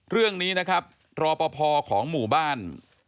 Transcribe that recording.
เรื่องนี้นะครับรอปภของหมู่บ้าน